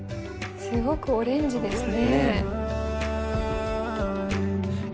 すごくオレンジですね。